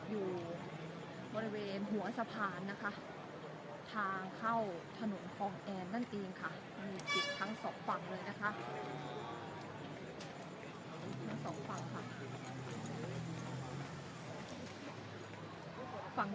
มีผู้ที่ได้รับบาดเจ็บและถูกนำตัวส่งโรงพยาบาลเป็นผู้หญิงวัยกลางคน